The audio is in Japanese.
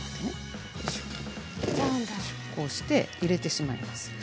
こうして入れてしまいます。